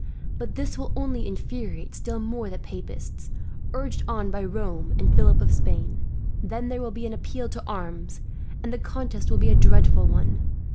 "But this will only infuriate still more the Papists, urged on by Rome and Philip of Spain. Then there will be an appeal to arms, and the contest will be a dreadful one.